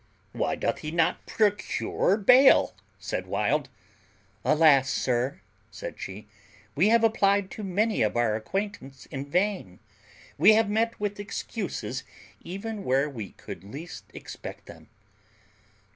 "Why doth he not procure bail?" said Wild. "Alas! sir," said she, "we have applied to many of our acquaintance in vain; we have met with excuses even where we could least expect them."